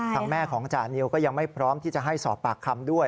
แม่ของจานิวก็ยังไม่พร้อมที่จะให้สอบปากคำด้วย